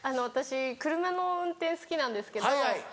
私車の運転好きなんですけど。